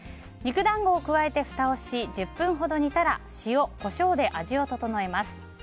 肉団子を加えてふたをし１０分ほど煮たら塩、コショウで味を調えます。